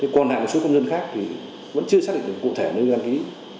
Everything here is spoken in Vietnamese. còn hạng số công dân khác thì vẫn chưa xác định được cụ thể nơi đăng ký